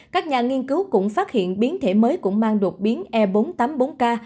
các nhà nghiên cứu cũng phát hiện biến thể mới cũng mang đột biến e bốn trăm tám mươi bốn k